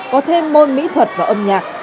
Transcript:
có thêm môn mỹ thuật và âm nhạc